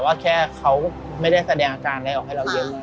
แต่แค่เขาไม่ได้แสดงอาการอะไรออกให้เราเล็ง